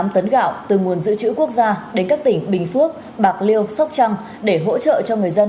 bảy tám tấn gạo từ nguồn giữ chữ quốc gia đến các tỉnh bình phước bạc liêu sóc trăng để hỗ trợ cho người dân